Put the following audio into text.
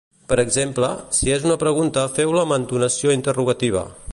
Per exemple, si és una pregunta feu-la amb entonació interrogativa.